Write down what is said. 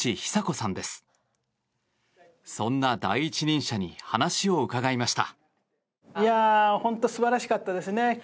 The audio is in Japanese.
そんな第一人者に話を伺いました。